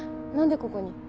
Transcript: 何でここに。